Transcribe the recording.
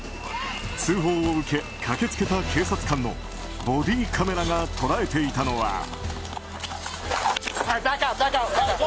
通報を受け駆けつけた警察官のボディーカメラが捉えていたのは。